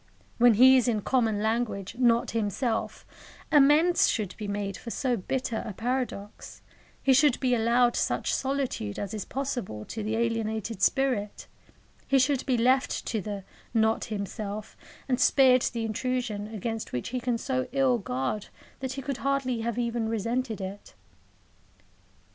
When he is in common language not himself, amends should be made for so bitter a paradox; he should be allowed such solitude as is possible to the alienated spirit; he should be left to the "not himself," and spared the intrusion against which he can so ill guard that he could hardly have even resented it.